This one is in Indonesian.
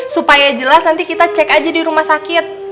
supaya jelas nanti kita cek aja di rumah sakit